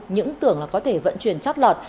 những tưởng là có thể vận chuyển chót lọt